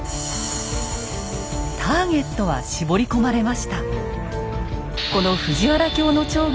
ターゲットは絞り込まれました。